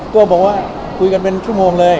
ก็บอกว่าคุยกันเป็นชั่วโมงเลย